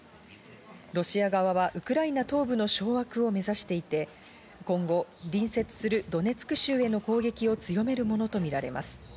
ロシア側はウクライナ東部の掌握を目指していて、今後、隣接するドネツク州への攻撃を強めるものとみられます。